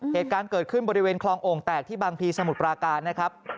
เหตุการณ์เกิดขึ้นบริเวณคลองโอ่งแตกที่บางพีสมุทรปราการนะครับ